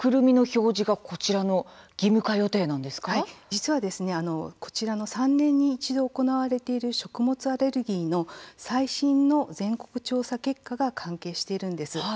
実はこちらの３年に一度行われている食物アレルギーの最新の全国調査結果が関係しているんです。